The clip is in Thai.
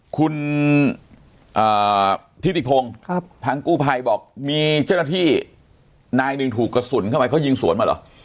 คุณทิติพงศ์ทางกู้ภัยบอกมีเจ้าหน้าที่นายหนึ่งถูกกระสุนเข้าไปเขายิงสวนมาเหรอ